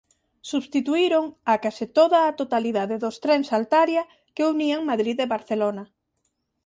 Substituíron a case toda a totalidade dos trens Altaria que unían Madrid e Barcelona.